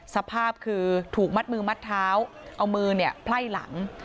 สภาพคือถูกมัดมือมัดเท้าเอามือเนี่ยไพ่หลัง